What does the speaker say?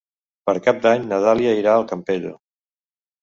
Per Cap d'Any na Dàlia irà al Campello.